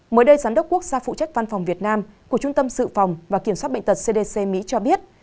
mới đây giám đốc quốc gia phụ trách văn phòng việt nam của trung tâm sự phòng và kiểm soát bệnh tật cdc mỹ cho biết